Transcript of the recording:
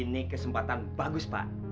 ini kesempatan bagus pak